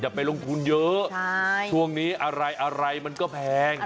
ไปลงทุนเยอะช่วงนี้อะไรอะไรมันก็แพง